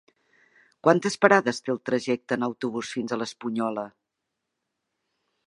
Quantes parades té el trajecte en autobús fins a l'Espunyola?